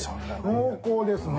濃厚ですね。